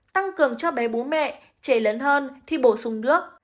tăng cường cho bé bú mẹ trẻ lớn hơn thì bổ sung nước